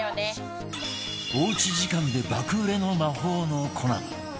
おうち時間で爆売れの魔法の粉